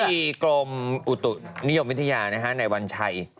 นาธิบดีกรมนิยมวิทยาในวันชัย